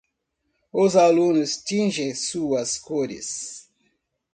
Os alunos tingem suas cores.